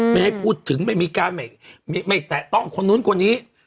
ไม่ให้พูดถึงไม่มีการไม่แตะต้องคนนู้นคนนี้